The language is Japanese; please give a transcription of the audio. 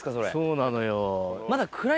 そうなのよ。